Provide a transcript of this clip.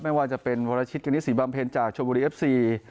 ไม่ว่าจะเป็นวรชิตกณิตศรีบำเพ็ญจากชมบุรีเอฟซี